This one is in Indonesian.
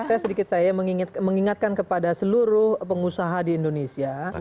saya sedikit saya mengingatkan kepada seluruh pengusaha di indonesia